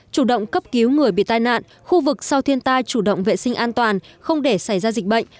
chủ động cấp cứu người bị tai nạn khu vực sau thiên tai chủ động vệ sinh an toàn không để xảy ra dịch bệnh